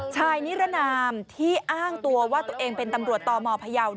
ชายนิรนามที่อ้างตัวว่าตัวเองเป็นตำรวจตมพยาว